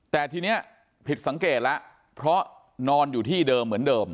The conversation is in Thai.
แต่ทีนี้ผิดสังเกตแล้วเพราะนอนอยู่ที่เดิมเหมือนเดิม